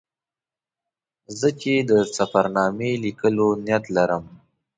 زه چې د سفر نامې لیکلو نیت لرم.